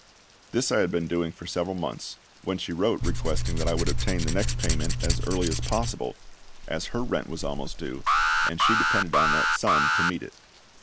This I had been doing for several months, when she wrote requesting that I would obtain the next payment as early as possible, as her rent was almost due, and she depended upon that sum to meet it.